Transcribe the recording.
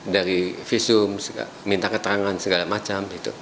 dari visum minta keterangan segala macam